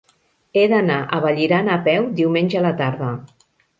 He d'anar a Vallirana a peu diumenge a la tarda.